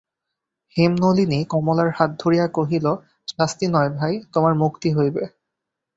হেমনলিনী কমলার হাত ধরিয়া কহিল, শাস্তি নয় ভাই, তোমার মুক্তি হইবে।